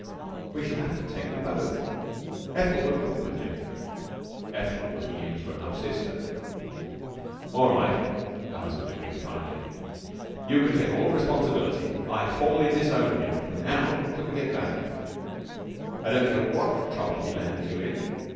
We shall have to take them both. Ethel will help with him." Ethel was William's grown up sister. "All right," agreed her husband finally. "You can take all responsibility. I formally disown him from now till we get back. I don't care what trouble he lands you in.